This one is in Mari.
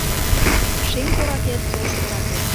Шем коракет, ош коракет